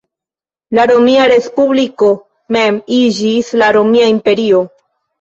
La Romia Respubliko mem iĝis la Romia Imperio.